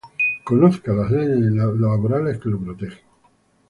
Conozca las leyes laborales que lo protegen.